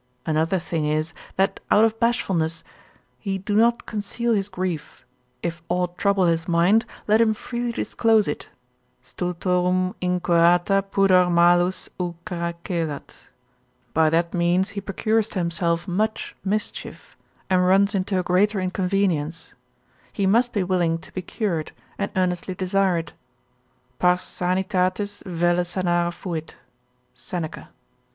5.) Another thing is, that out of bashfulness he do not conceal his grief; if aught trouble his mind, let him freely disclose it, Stultorum incurata pudor malus ulcera celat: by that means he procures to himself much mischief, and runs into a greater inconvenience: he must be willing to be cured, and earnestly desire it. Pars sanitatis velle sanare fuit, (Seneca).